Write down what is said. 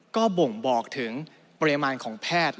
ก็บ่งบอกถึงปริมาณของแพทย์